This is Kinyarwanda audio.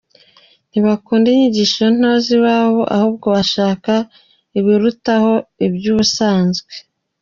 Ntibakunda inyigisho nto z’iwabo, ahubwo bashaka ibirutaho iby’ubusanzwe.